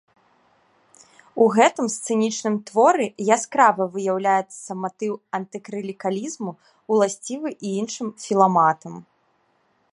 У гэтым сцэнічным творы яскрава выяўляецца матыў антыклерыкалізму, уласцівы і іншым філаматам.